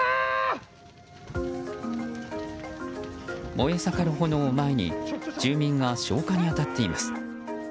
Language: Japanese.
燃え盛る炎を前に住民が消火に当たっています。